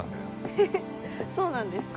ふふそうなんですか？